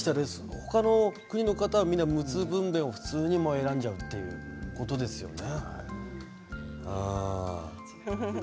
他の国の方は無痛分べんを普通に選んじゃうということですよね。